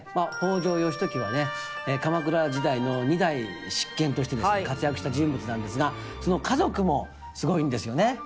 北条義時はね鎌倉時代の二代執権として活躍した人物なんですがその家族もすごいんですよね？